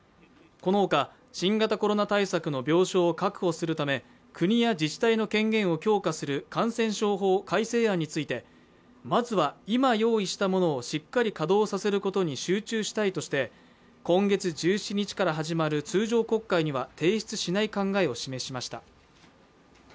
このほか新型コロナ対策の病床を確保するため国や自治体の権限を強化する感染症法改正案についてまずは今、用意したものをしっかり稼働させることに集中したいとして、今月１７日から始まる通常国会には提出しない考えを示しました。